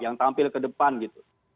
yang tampil ke depan gitu